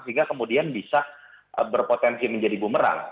sehingga kemudian bisa berpotensi menjadi bumerang